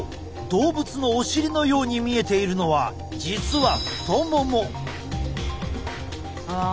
動物のお尻のように見えているのは実は太もも。